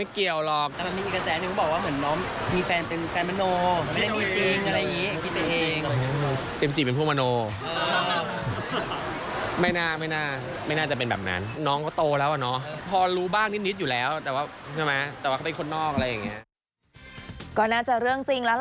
ก่อนได้ตาเรื่องจริง